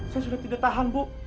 saya sudah tidak tahan bu